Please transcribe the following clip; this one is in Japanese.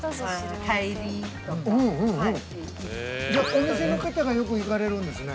お店の方がよく行かれるんですね。